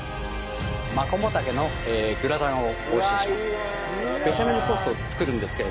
マコモダケのグラタンをお教えします。